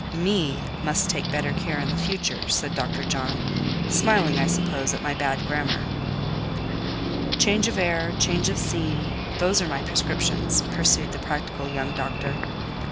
"'Me' must take better care in future," said Dr. John—smiling, I suppose, at my bad grammar. "Change of air—change of scene; those are my prescriptions," pursued the practical young doctor.